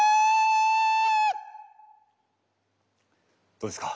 どうですか。